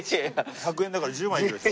１００円だから１０枚いけるでしょ。